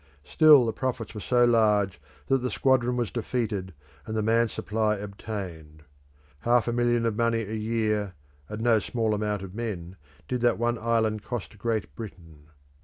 still the profits were so large that the squadron was defeated and the man supply obtained. Half a million of money a year, and no small amount of men, did that one island cost Great Britain.